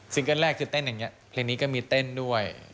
เกิ้ลแรกคือเต้นอย่างนี้เพลงนี้ก็มีเต้นด้วย